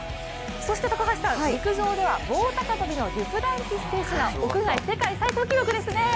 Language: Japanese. そして高橋さん、陸上では棒高跳びのデュプランティス選手が屋外世界最高記録でしたね。